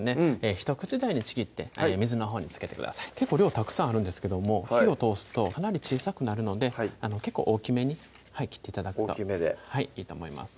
一口大にちぎって水のほうにつけてください結構量たくさんあるんですけども火を通すとかなり小さくなるので結構大きめに切って頂くと大きめではいいいと思います